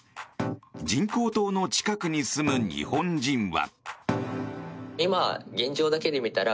人工島の近くに住む日本人は。